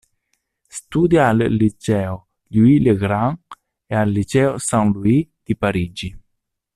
Studia al liceo Louis-le-Grand e al liceo Saint-Louis di Parigi.